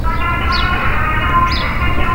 მოგვიანებით იგი დაიყო ხუთ ნაწილად.